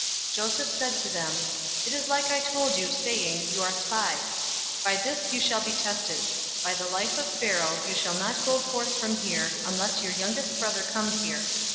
042:014 Joseph said to them, "It is like I told you, saying, 'You are spies.' 042:015 By this you shall be tested. By the life of Pharaoh, you shall not go forth from here, unless your youngest brother comes here.